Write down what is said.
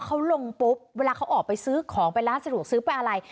เขาลงปุ๊บเวลาเขาออกไปซื้อของไปร้านสะดวกซื้อไปอะไร